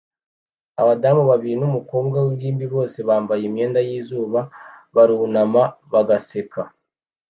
Abadamu babiri numukobwa wingimbi bose bambaye imyenda yizuba barunama bagaseka